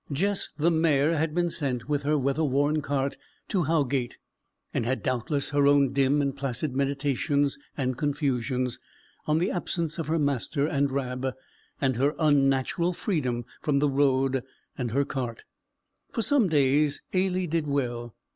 Jess, the mare, had been sent, with her weather worn cart, to Howgate, and had doubtless her own dim and placid meditations and confusions, on the absence of her master and Rab, and her unnatural freedom from the road and her cart. For some days Ailie did well.